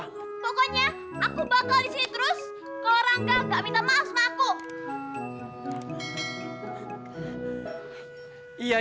pokoknya aku bakal di sini terus kalau rangga gak minta maaf sama aku